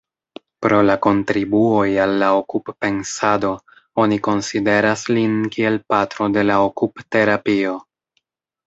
Pro la kontribuoj al la okup-pensado oni konsideras lin kiel patro de la okup-terapio.